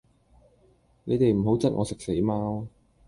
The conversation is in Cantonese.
你哋唔好質我食死貓